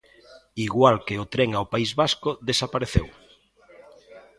Igual que o tren ao País Vasco, desapareceu.